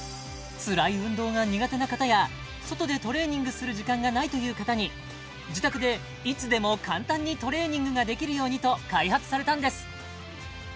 つらい運動が苦手な方や外でトレーニングする時間がないという方に自宅でいつでも簡単にトレーニングができるようにと開発されたんです